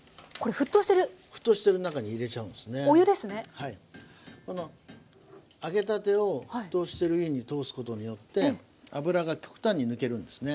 はいこの揚げたてを沸騰してる湯に通すことによって油が極端に抜けるんですね。